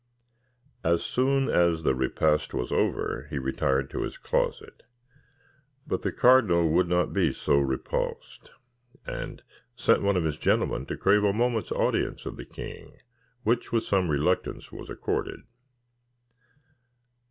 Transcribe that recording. As soon as the repast was over, he retired to his closet. But the cardinal would not be so repulsed, and sent one of his gentlemen to crave a moment's audience of the king, which with some reluctance was accorded.